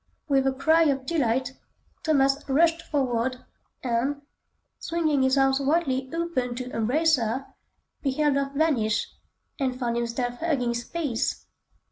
With a cry of delight, Thomas rushed forward, and, swinging his arms widely open to embrace her, beheld her vanish, and found himself hugging space!